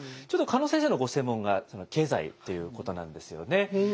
加納先生のご専門が経済ということなんですよね。